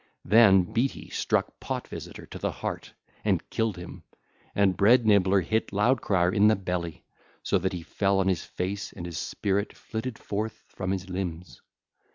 Then Beety struck Pot visitor to the heart and killed him, and Bread nibbler hit Loud crier in the belly, so that he fell on his face and his spirit flitted forth from his limbs.